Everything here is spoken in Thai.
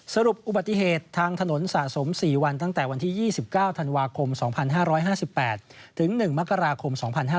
สรุปอุบัติเหตุทางถนนสะสม๔วันตั้งแต่วันที่๒๙ธันวาคม๒๕๕๘ถึง๑มกราคม๒๕๕๙